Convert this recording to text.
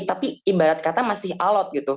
tapi ibarat kata masih alot gitu